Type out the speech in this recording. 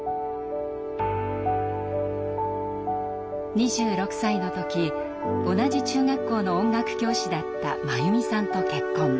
２６歳の時同じ中学校の音楽教師だった真弓さんと結婚。